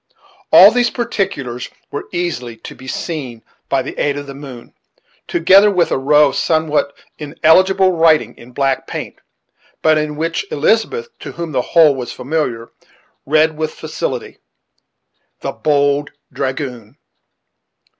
All these particulars were easily to be seen by the aid of the moon, together with a row of somewhat illegible writing in black paint, but in which Elizabeth, to whom the whole was familiar, read with facility, "The Bold Dragoon."